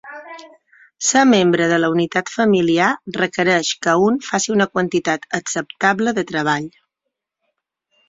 Ser membre de la unitat familiar requereix que un faci una quantitat acceptable de treball.